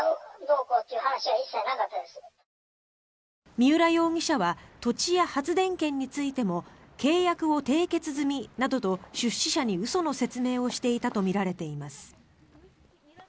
三浦容疑者は土地や発電権についても契約を締結済みなどと出資者に嘘の説明をしていたとみられています。